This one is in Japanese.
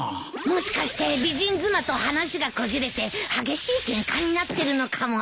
もしかして美人妻と話がこじれて激しいケンカになってるのかも。